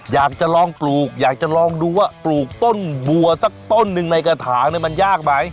อยากจะลองปลูกอยากจะลองดูว่าปลูกต้นบัวสักต้นหนึ่งในกระถางมันยากไหม